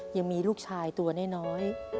ยังมีลูกชายตัวน้อย